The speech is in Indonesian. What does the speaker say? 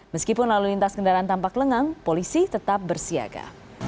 meskipun lalu lintas kendaraan tampak lengang polisi tetap bersiaga